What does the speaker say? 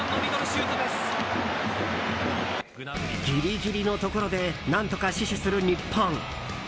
ギリギリのところで何とか死守する日本。